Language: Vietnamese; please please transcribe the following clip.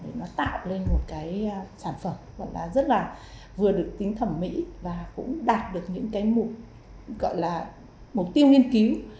để tạo nên một sản phẩm vừa được tính thẩm mỹ và cũng đạt được những mục tiêu nghiên cứu